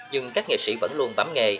nhưng các nghệ sĩ vẫn luôn bám nghề